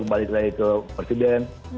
kemudian ke presiden